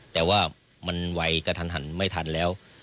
แต่ว่ามันไวกระทันหันไม่ทันแล้ว